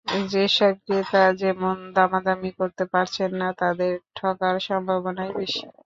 যেসব ক্রেতা তেমন দামাদামি করতে পারছেন না, তাঁদের ঠকার সম্ভাবনাই বেশি।